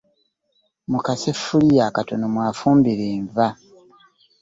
Mu kaseffuliya akatono mwafumbira enva.